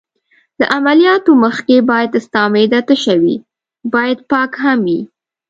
له عملیاتو مخکې باید ستا معده تشه وي، باید پاک هم یې.